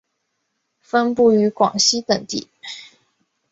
分布于广西等地。